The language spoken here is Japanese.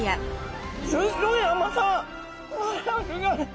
うわすギョい！